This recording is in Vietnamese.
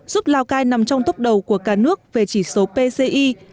giúp lào cai nằm trong tốc đầu của cả nước về chỉ số pci